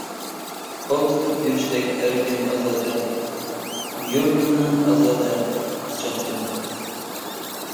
قول تۇتۇپ يۈرۈشتەك ئەركىن-ئازادە، يۇرتۇمنىڭ ئازادە قۇچاقلىرىدا.